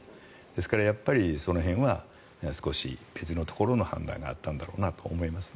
ですから、その辺は少し別のところの判断があったんだろうと思います。